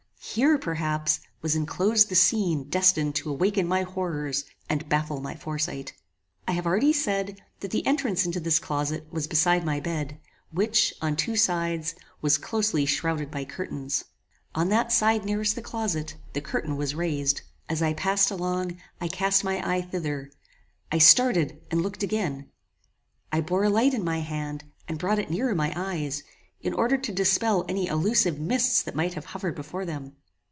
Here, perhaps, was inclosed the scene destined to awaken my horrors and baffle my foresight. I have already said, that the entrance into this closet was beside my bed, which, on two sides, was closely shrowded by curtains. On that side nearest the closet, the curtain was raised. As I passed along I cast my eye thither. I started, and looked again. I bore a light in my hand, and brought it nearer my eyes, in order to dispel any illusive mists that might have hovered before them.